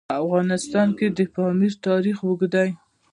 په افغانستان کې د پامیر تاریخ اوږد دی.